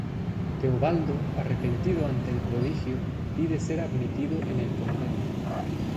Teobaldo, arrepentido ante el prodigio, pide ser admitido en el convento.